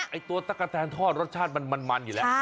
ไอตั๊กกะแตนทอดรสชาติมันแบบนี้แหละ